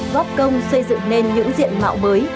góp công xây dựng nên những diện mạo mới